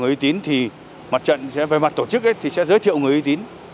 người y tín thì mặt trận về mặt tổ chức thì sẽ giới thiệu người y tín